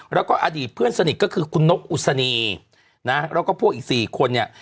แล้วก็อดีตเพื่อนสนิทก็คือคุณนกอุศนีนะแล้วก็พวกอีก๔คนเนี่ย